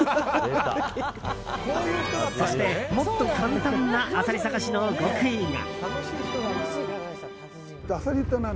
そして、もっと簡単なアサリ探しの極意が。